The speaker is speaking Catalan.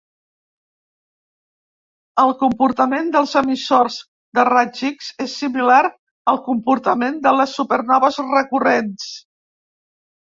El comportament dels emissors de raigs X és similar al comportament de les supernoves recurrents.